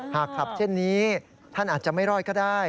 หากขับเช่นนี้ท่านอาจจะไม่รอดก็ได้